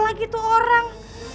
lagi tuh orang